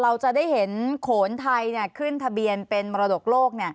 เราจะได้เห็นโขนไทยขึ้นทะเบียนเป็นมรดกโลก